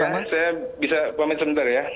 oke mas wawan saya bisa komen sebentar ya